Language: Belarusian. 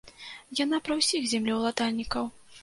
Яна пра ўсіх землеўладальнікаў.